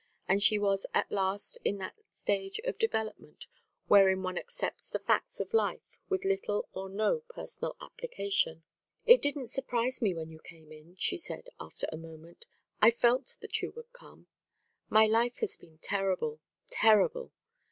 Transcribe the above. And she was at last in that stage of development wherein one accepts the facts of life with little or no personal application. "It didn't surprise me when you came in," she said, after a moment. "I felt that you would come My life has been terrible, terrible!